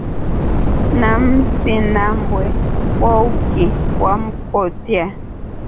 Nimsinambe wouki wamkotya.